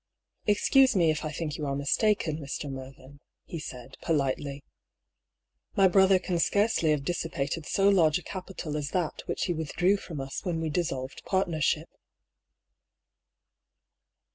" Excuse me, if I think you are mistaken, Mr. Mer vyn," he said, politely. " My brother can scarcely have dissipated so large a capital as that which he withdrew from us when we dissolved partnership."